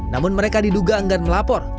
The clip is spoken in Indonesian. namun mereka diduga enggan melapor